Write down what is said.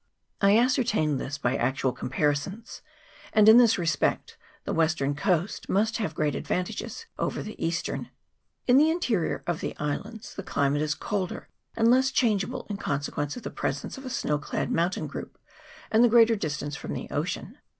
I ascertained this by actual comparisons, and in this respect the western coast must have great advantages over the eastern. In the interior of the islands the climate is colder and less changeable, in consequence of the presence of a snow clad mountain group and the greater distance from the ocean.